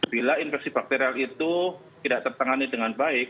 bila infeksi bakterial itu tidak tertangani dengan baik